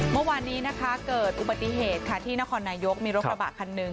เมื่อวานนี้นะคะเกิดอุบัติเหตุค่ะที่นครนายกมีรถกระบะคันหนึ่ง